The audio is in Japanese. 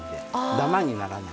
ダマにならない。